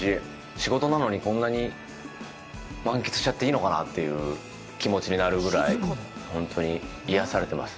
仕事なのに、こんなに満喫しちゃっていいのかなという気持ちになるぐらい、ほんとに癒やされてます。